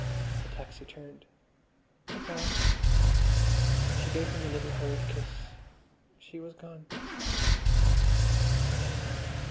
The taxi turned. "Good bye!" She gave him a little hurried kiss; she was gone.